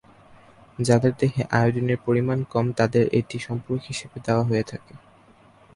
যাদের দেহে আয়োডিনের পরিমাণ কম, তাদের এটি সম্পূরক হিসেবে দেওয়া হয়ে থাকে।